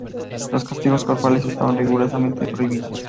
Los castigos corporales estaban rigurosamente prohibidos.